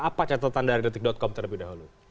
apa catatan dari detik com terlebih dahulu